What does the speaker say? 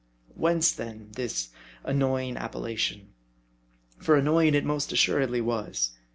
Whence then, this annoying appellation ? for annoying it most assuredly was.